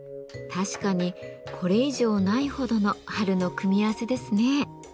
確かにこれ以上ないほどの春の組み合わせですね。